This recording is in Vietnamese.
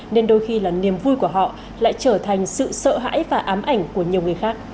nên đôi khi là niềm vui của họ lại trở thành sự sợ hãi và ám ảnh của nhiều người khác